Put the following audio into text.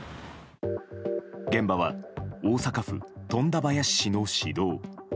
現場は大阪府富田林市の市道。